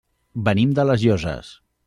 Venim de les Llosses.